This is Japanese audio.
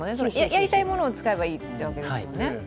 やりたいものを使えばいいというわけですもんね。